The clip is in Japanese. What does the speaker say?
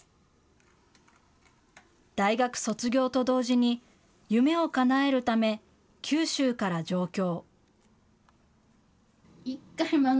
大学卒業と同時に、夢をかなえるため、九州から上京。